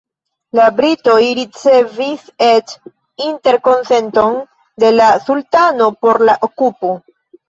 La britoj ricevis eĉ "interkonsenton” de la sultano por la okupo.